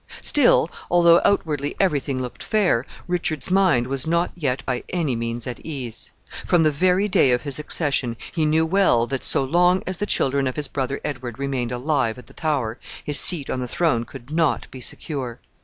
Still, although outwardly every thing looked fair, Richard's mind was not yet by any means at ease. From the very day of his accession, he knew well that, so long as the children of his brother Edward remained alive at the Tower, his seat on the throne could not be secure.